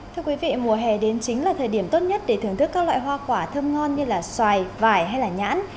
thưa quý vị mùa hè đến chính là thời điểm tốt nhất để thưởng thức các loại hoa quả thơm ngon như xoài vải hay nhãn